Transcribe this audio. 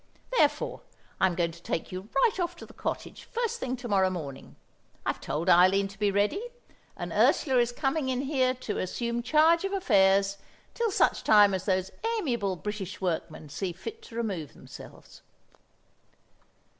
Therefore I'm going to take you right off to the cottage first thing to morrow morning; I've told Eileen to be ready; and Ursula is coming in here to assume charge of affairs till such time as those amiable British workmen see fit to remove themselves."